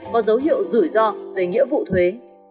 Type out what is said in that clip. có dấu hiệu rủi ro về nghĩa vụ thuế